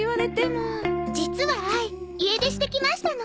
実はあい家出してきましたの。